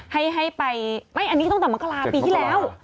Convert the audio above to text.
ให้ให้ไปไม่อันนี้ตั้งแต่มกราปีที่แล้ว